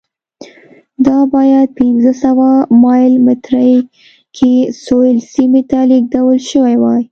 دا باید پنځه سوه مایل مترۍ کې سویل سیمې ته لېږدول شوې وای.